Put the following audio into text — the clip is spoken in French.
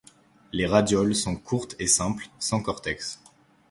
Les radioles sont courtes et simples, sans cortex.